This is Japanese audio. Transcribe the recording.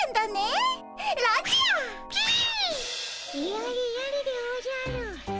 ・やれやれでおじゃる。